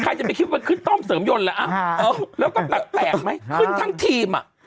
ใครจะไปคิดว่าขึ้นกล้องเสริมยนต์ละเอ้าแล้วก็แปลกแตกไม่ขึ้นทั้งทีมอ่ะ